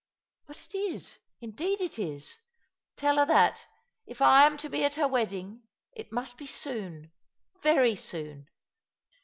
" But it is ; indeed it is. Tell her that, if I am to be at her wedding, it must be soon, very soon.